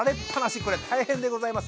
こりゃ大変でございます。